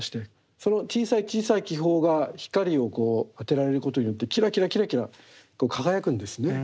その小さい小さい気泡が光を当てられることによってきらきらきらきら輝くんですね。